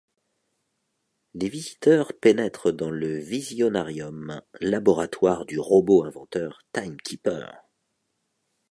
Les visiteurs pénètrent dans Le Visionarium, laboratoire du robot-inventeur Timekeeper.